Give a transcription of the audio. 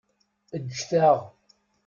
Ǧǧet-aɣ!